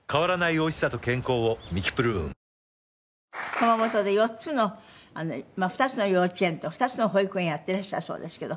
熊本で４つの２つの幼稚園と２つの保育園やってらっしゃるそうですけど。